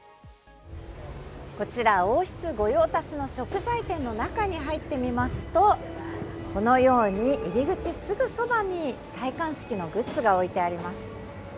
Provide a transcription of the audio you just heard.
こちら王室御用達の食材店の中に入ってみますと、このように入口すぐそばに戴冠式のグッズが置いてあります。